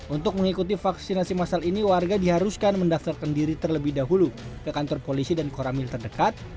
untuk mengikuti vaksinasi masal ini warga diharuskan mendaftarkan diri terlebih dahulu ke kantor polisi dan koramil terdekat